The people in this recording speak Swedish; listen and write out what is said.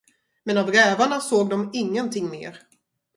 Men av rävarna såg de ingenting mer.